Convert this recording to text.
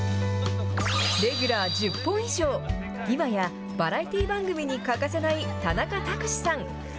レギュラー１０本以上、今やバラエティー番組に欠かせない田中卓志さん。